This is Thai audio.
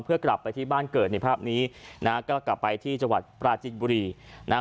เพื่อกลับไปที่บ้านเกิดในภาพนี้นะฮะก็กลับไปที่จังหวัดปราจินบุรีนะฮะ